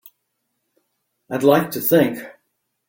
I'd like to think.